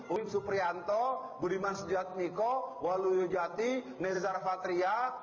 uim suprianto budiman sejadmiko waluyo jati nezara fatriah